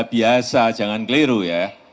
biasa jangan keliru ya